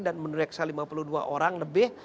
dan meneriksa lima puluh dua orang lebih